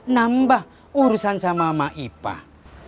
nambah urusan sama maipah